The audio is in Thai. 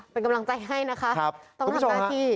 เป็นกำลังใจให้นะคะต้องทำหน้าที่